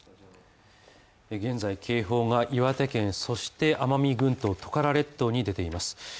現在警報が岩手県そして奄美群島トカラ列島に出ています